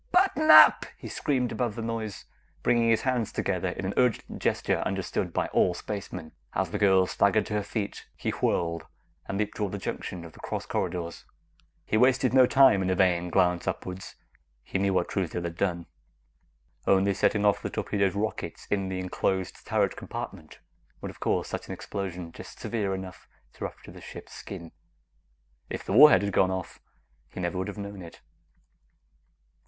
"Button up!" he screamed above the noise, bringing his hands together in an urgent gesture understood by all spacemen. As the girl staggered to her feet, he whirled and leaped toward the junction of the cross corridors. He wasted no time in a vain glance upwards he knew what Truesdale had done. Only setting off the torpedoes' rockets in the enclosed turret compartment would have caused an explosion just severe enough to rupture the ship's skin; if the warheads had gone off, he never would have known it.